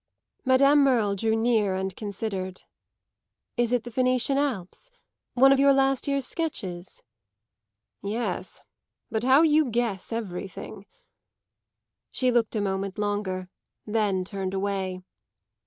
Madame Merle drew near and considered. "Is it the Venetian Alps one of your last year's sketches?" "Yes but how you guess everything!" She looked a moment longer, then turned away.